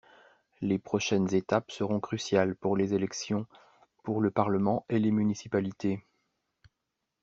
Les prochaines étapes seront cruciales pour les élections pour le Parlement et les municipalités.